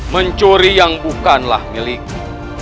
mencuri yang bukanlah milikmu